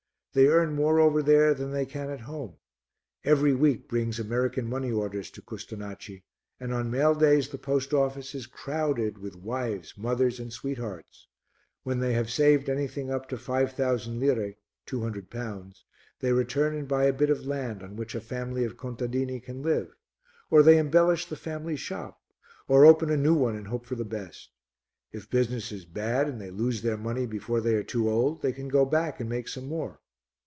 They earn more over there than they can at home; every week brings American money orders to Custonaci and on mail days the post office is crowded with wives, mothers and sweethearts. When they have saved anything up to 5000 lire (200 pounds) they return and buy a bit of land on which a family of contadini can live, or they embellish the family shop or open a new one and hope for the best. If business is bad and they lose their money before they are too old, they can go back and make some more.